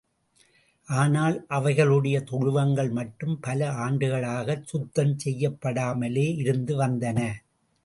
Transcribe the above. ஆனால், அவைகளுடைய தொழுவங்கள் மட்டும் பல ஆண்டுகளாகச் சுத்தம் செய்யப்படாமலே இருந்து வந்தன.